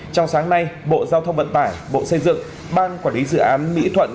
trong sáng nay bộ giao thông vận tải bộ xây dựng ban quản lý dự án mỹ thuận